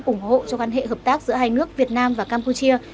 ủng hộ cho quan hệ hợp tác giữa hai nước việt nam và campuchia